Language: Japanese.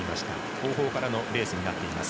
後方からのレースになっています。